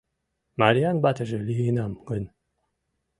Мариян ватыже лийынам гын